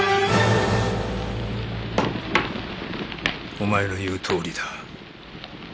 お前が言うとおりだ。